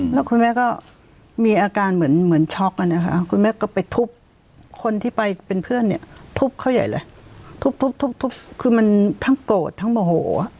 แล้วคุณแม่ก็มีอาการเหมือนช็อกอะนะคะคุณแม่ก็ไปทุบคนที่ไปเป็นเพื่อนเนี่ยทุบเขาใหญ่เลยทุบคือมันทั้งโกรธทั้งโมโห